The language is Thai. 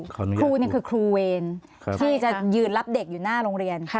ครูนี่คือครูเวรที่จะยืนรับเด็กอยู่หน้าโรงเรียน